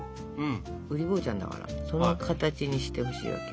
うり坊ちゃんだからその形にしてほしいわけ。